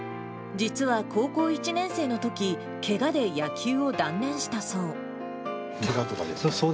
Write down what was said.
実は高校１年生のとき、けがで野球を断念したそう。